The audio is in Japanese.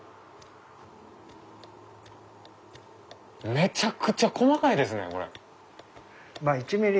めちゃくちゃ細かいですねこれ。